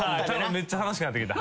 めっちゃ楽しくなってきた。